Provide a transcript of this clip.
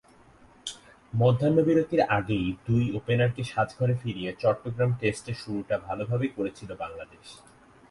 মধ্যাহ্নবিরতির আগেই দুই ওপেনারকে সাজঘরে ফিরিয়ে চট্টগ্রাম টেস্টের শুরুটা ভালোভাবেই করেছিল বাংলাদেশ।